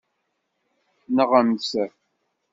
Nɣemt!